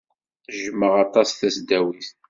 Jjmeɣ aṭas tasdawit.